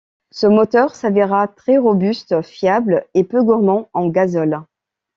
Ce moteur s'avéra très robuste, fiable et peu gourmand en gazole.